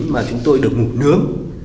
mà chúng tôi được ngủ nướng